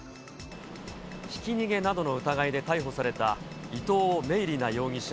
ひき逃げなどの疑いで逮捕された伊藤明理那容疑者